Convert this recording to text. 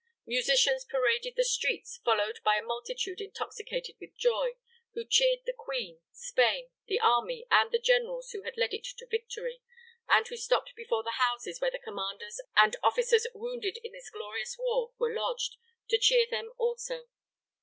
Musicians paraded the streets, followed by a multitude intoxicated with joy, who cheered the Queen, Spain, the army, and the generals who had led it to victory, and who stopped before the houses where the commanders and officers wounded in this glorious war were lodged, to cheer them also.